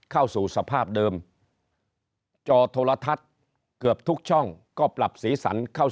เข้าสู่สภาพเดิมจอโทรทัศน์เกือบทุกช่องก็ปรับสีสันเข้า